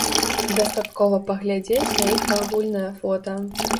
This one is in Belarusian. Дастаткова паглядзець на іх агульнае фота.